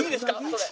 それ。